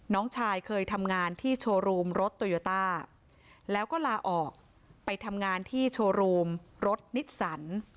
น้องชายเคยทำงานที่โชว์รูมรถโตโยต้าแล้วก็ลาออกไปทำงานที่โชว์รูมรถนิสสัน